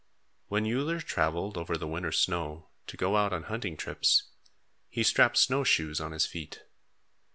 When Uller travelled over the winter snow, to go out on hunting trips, he strapped snow shoes on his feet.